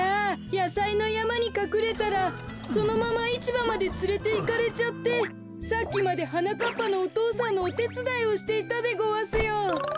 やさいのやまにかくれたらそのままいちばまでつれていかれちゃってさっきまではなかっぱのお父さんのおてつだいをしていたでごわすよ。